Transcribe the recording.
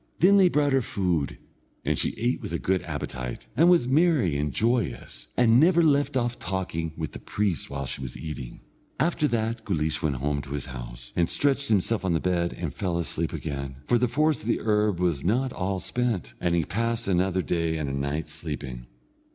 Then they brought her food, and she ate with a good appetite, and was merry and joyous, and never left off talking with the priest while she was eating. After that Guleesh went home to his house, and stretched himself on the bed and fell asleep again, for the force of the herb was not all spent, and he passed another day and a night sleeping.